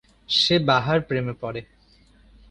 সে বাহার প্রেমে পড়ে।